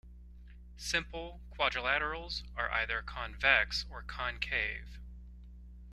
Simple quadrilaterals are either convex or concave.